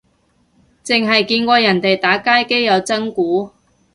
剩係見過人哋打街機有真鼓